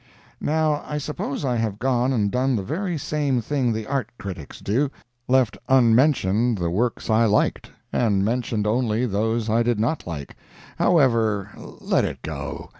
Now, I suppose I have gone and done the very same thing the art critics do—left unmentioned the works I liked, and mentioned only those I did not like. However, let it go.